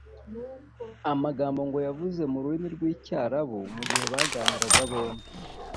amagambo ngo yavuze mu rurimi rw’icyarabu mu gihe baganiraga bombi